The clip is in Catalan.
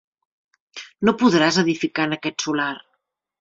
No podràs edificar en aquest solar.